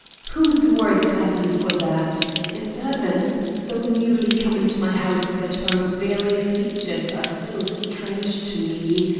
"Whose word have you for that? A servant's, so newly come into my house that her very features are still strange to me.